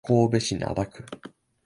神戸市灘区